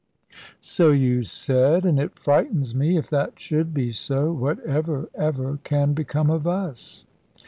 "So you said; and it frightens me. If that should be so, what ever, ever can become of us?"